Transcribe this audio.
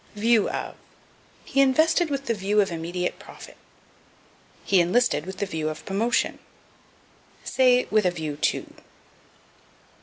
View of. "He invested with the view of immediate profit." "He enlisted with the view of promotion." Say, with a view to.